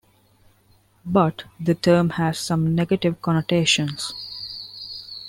But, the term had some negative connotations.